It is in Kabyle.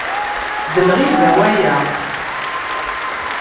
D lɣib waya.